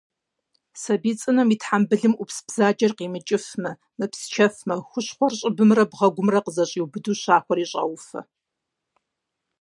Сабий цӀынэм и тхьэмбылым Ӏупс бзаджэр къимыкӀыфмэ, мыпсчэфмэ, хущхъуэр щӀыбымрэ бгъэгумрэ къызэщӀиубыдэу щахуэри щӀауфэ.